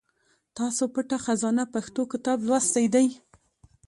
تاسو پټه خزانه پښتو کتاب لوستی دی ؟